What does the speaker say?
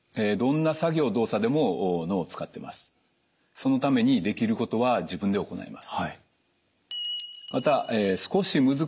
そのためにできることは自分で行います。